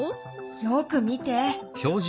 よく見て。